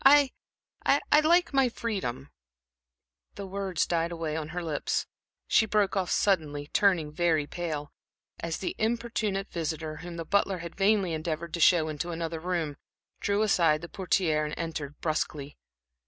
I I like my freedom" The words died away on her lips. She broke off suddenly, turning very pale, as the importunate visitor, whom the butler had vainly endeavored to show into another room, drew aside the portière and entered brusquely.